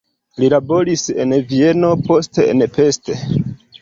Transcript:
Li laboris en Vieno, poste en Pest.